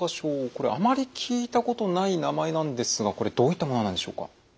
あまり聞いたことない名前なんですがこれどういったものなんでしょうか？